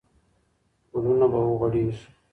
ګلونه به وغوړېږي.